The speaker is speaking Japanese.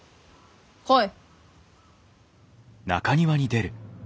来い。